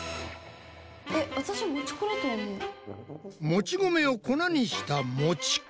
もち米を粉にしたもち粉！